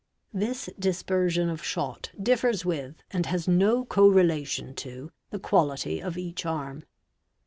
| This dispersion of shot differs with, and has no co relation to, the ' 1 quality of each arm.